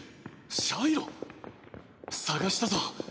シャイロ⁉捜したぞ。